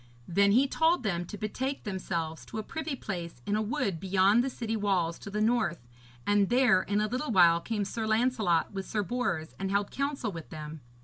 Then he told them to betake themselves to a privy place in a wood beyond the city walls to the north, and there in a little while came Sir Lancelot with Sir Bors, and held counsel with them.